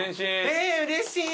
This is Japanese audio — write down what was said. えうれしい！